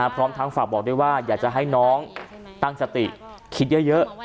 พร้อมทั้งฝากบอกด้วยว่าอยากจะให้น้องตั้งสติคิดเยอะ